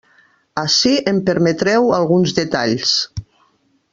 Ací em permetreu alguns detalls.